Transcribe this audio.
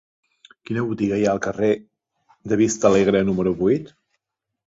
Quina botiga hi ha al carrer de Vistalegre número vuit?